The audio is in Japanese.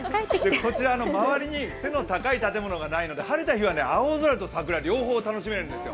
こちら、周りに背の高い建物がないので晴れた日は青空と桜両方楽しめるんですよ。